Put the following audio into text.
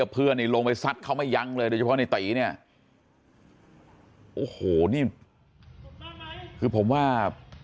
เพื่อนนี่ลงไปซัดเขาไม่ยั้งเลยโดยเฉพาะในตีเนี่ยโอ้โหนี่คือผมว่า